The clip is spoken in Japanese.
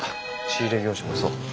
仕入れ業者もそう。